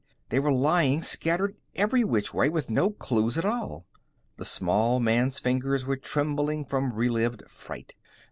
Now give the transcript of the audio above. "They were lying scattered every which way, with no clues at all." The small man's fingers were trembling from relived fright.